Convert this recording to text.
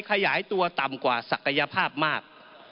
ขยายตัวต่ำกว่าศักยภาพมาก